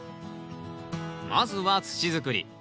まずは土づくり。